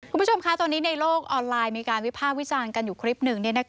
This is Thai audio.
คุณผู้ชมคะตอนนี้ในโลกออนไลน์มีการวิภาควิจารณ์กันอยู่คลิปหนึ่ง